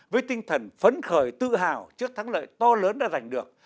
với tinh thần phấn khởi tự hào trước thắng lợi to lớn đã giành được